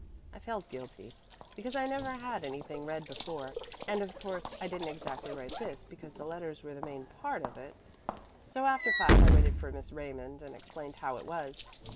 I felt guilty, because I never had anything read before, and of course I didn't exactly write this because the letters were the main part of it. So after class I waited for Miss Raymond and explained how it was.